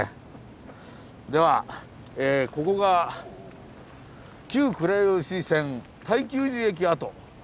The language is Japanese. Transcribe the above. ではここが旧倉吉線泰久寺駅跡。